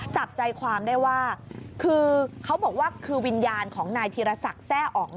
จับใจความได้ว่าคือเขาบอกว่าคือวิญญาณของนายธีรศักดิ์แทร่อ๋อง